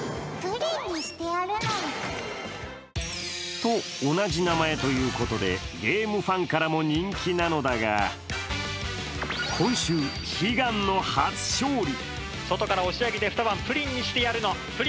と同じ名前ということでゲームファンからも人気なのだが今週、悲願の初勝利。